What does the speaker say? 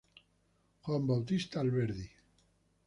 Juan Bautista Alberdi.